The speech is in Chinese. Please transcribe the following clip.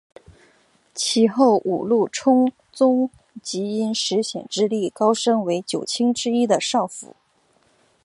其后五鹿充宗即因石显之力高升为九卿之一的少府。